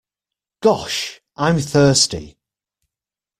Gosh, I'm thirsty.